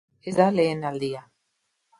Ez da lehen aldia.